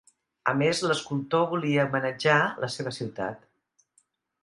A més, l'escultor volia homenatjar la seva ciutat.